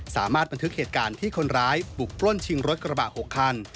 สามารถบันทึกเหตุการณ์ที่คนร้ายบุกปล้นชิงรถกระบะ๖คัน